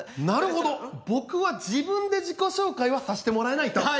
なるほど僕は自分で自己紹介はさしてもらえないと。